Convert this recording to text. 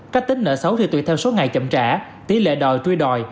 cách tính nợ xấu thì tùy theo số ngày chậm trả tỷ lệ đòi truy đòi